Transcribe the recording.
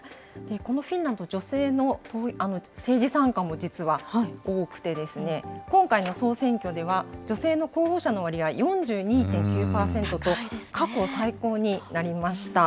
このフィンランド、女性の政治参加も実は多くて、今回の総選挙では女性の候補者の割合、４２．９％と、過去最高になりました。